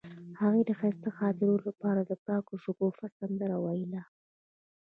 هغې د ښایسته خاطرو لپاره د پاک شګوفه سندره ویله.